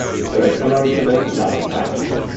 The red colour represents the blood of Christ.